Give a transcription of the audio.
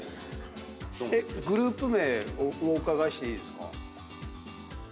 グループ名お伺いしていいですか？